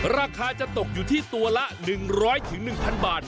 ราคาจะตกอยู่ที่ตัวละ๑๐๐๑๐๐บาท